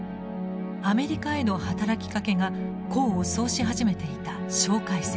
アメリカへの働きかけが功を奏し始めていた介石。